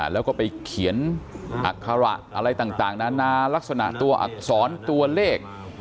แล้วก็ไปเขียนอัคระอะไรต่างนานาลักษณะตัวอักษรตัวเลข